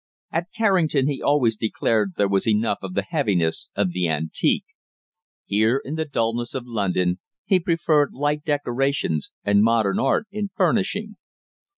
At Carrington he always declared there was enough of the heaviness of the antique. Here, in the dulness of London, he preferred light decorations and modern art in furnishing.